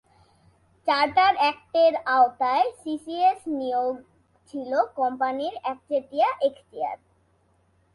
Charter অ্যাক্টের আওতায় CCS নিয়োগ ছিল কোম্পানির একচেটিয়া এখতিয়ার।